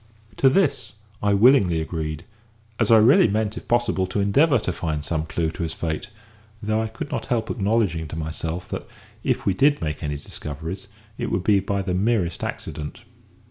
To this I willingly agreed, as I really meant, it possible, to endeavour to find some clue to his fate; though I could not help acknowledging to myself that, if we did make any discoveries, it would be by the merest accident.